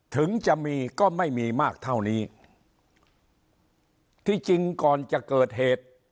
ถึงจะมีก็ไม่มีมากเท่านี้ที่จริงก่อนจะเกิดเหตุ